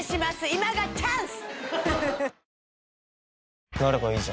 今がチャンス！